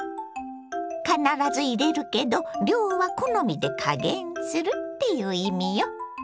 必ず入れるけど量は好みで加減するっていう意味よ。